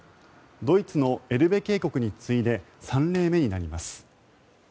ドイツのエルベ渓谷に次いで３例目になります。